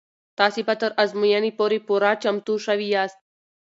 تاسې به تر ازموینې پورې پوره چمتو شوي یاست.